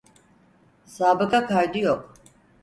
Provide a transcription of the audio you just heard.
Sabıka kaydı yok.